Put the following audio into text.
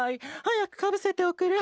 はやくかぶせておくれ。